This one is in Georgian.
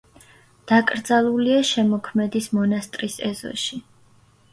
დაკრძალულია შემოქმედის მონასტრის ეზოში.